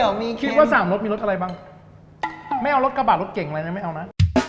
คิดว่าสามรถมีรถอะไรบ้างไม่เอารถกระบาดรถเก่งอะไรนะไม่เอานะ